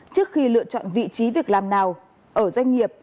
trước khi lựa chọn vị trí việc làm nào ở doanh nghiệp